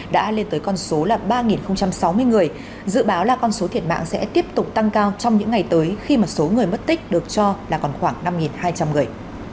đã lên tới con số là ba sáu mươi người dự báo là con số thiệt mạng sẽ tiếp tục tăng cao trong những ngày tới khi mà số người mất tích được cho là còn khoảng năm hai trăm linh người